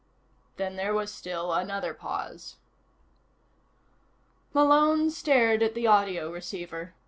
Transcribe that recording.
Then there was still another pause. Malone stared at the audio receiver.